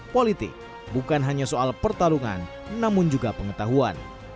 politik bukan hanya soal pertarungan namun juga pengetahuan